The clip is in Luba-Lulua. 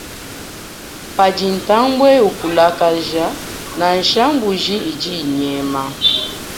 Padi ntambwe ukulakaja, nansha mbuji idi inyema.